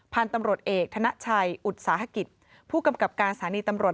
พันธุ์ตำรวจเอกธนชัยอุตสาหกิจผู้กำกับการสถานีตำรวจ